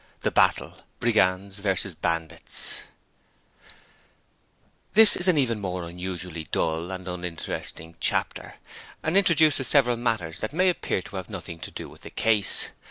The Battle: Brigands versus Bandits This is an even more unusually dull and uninteresting chapter, and introduces several matters that may appear to have nothing to do with the case.